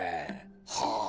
はあ。